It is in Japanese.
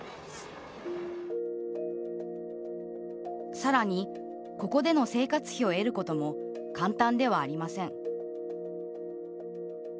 さらにここでの生活費を得ることも簡単ではありません。